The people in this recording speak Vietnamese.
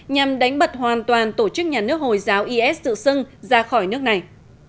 nhằm đánh bật hoàn toàn tổ chức nhà nước hồi giáo is tự xưng ra khỏi nước này